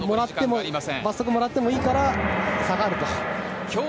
罰則もらってもいいから下がると。